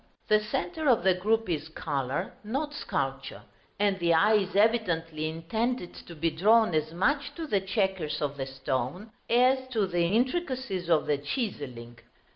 the centre of the group is color, not sculpture, and the eye is evidently intended to be drawn as much to the chequers of the stone, as to the intricacies of the chiselling.